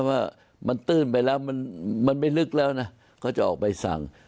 ว่ามันตื้นไปแล้วมันไม่ลึกแล้วนะเขาจะออกใบสั่ง